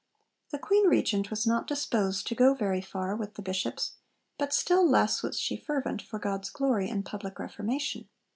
The Queen Regent was not disposed to go very far with the bishops, but still less was she fervent for God's glory and public Reformation.